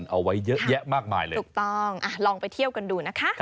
เอาไว้เยอะแยะมากมายเลยถูกต้องลองไปเที่ยวกันดูนะคะ